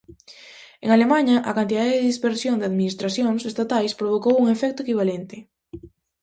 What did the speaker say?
En Alemaña, a cantidade e dispersión de administracións estatais provocou un efecto equivalente.